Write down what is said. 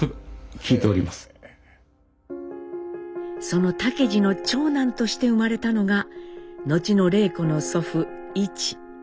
その竹次の長男として生まれたのが後の礼子の祖父一。